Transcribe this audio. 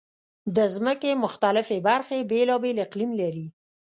د ځمکې مختلفې برخې بېلابېل اقلیم لري.